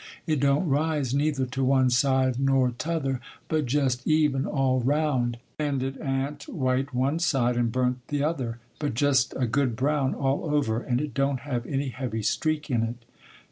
It don't rise neither to one side nor t'other, but just even all 'round; and it a'n't white one side and burnt the other, but just a good brown all over; and it don't have any heavy streak in it.